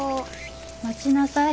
待ちなさい。